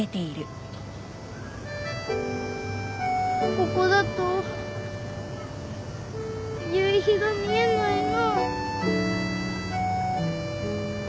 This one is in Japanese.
ここだと夕日が見えないな。